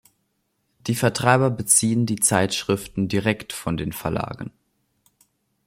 Die Vertreiber beziehen die Zeitschriften direkt von den Verlagen.